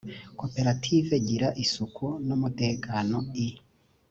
koperative gira isuku n’umutekano i